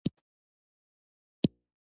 زینبې وویل اولادونه کوچنیان دي له آسه مه لوېږئ.